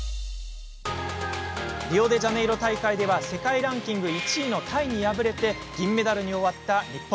リオデジャネイロ大会では世界ランキング１位のタイに敗れ銀メダルに終わった日本。